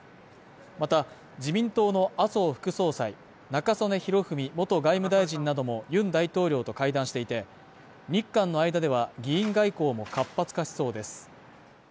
また、自民党の麻生副総裁、中曽根弘文元外務大臣などもユン大統領と会談していて、日韓の間では、議員外交も活発化しそうです。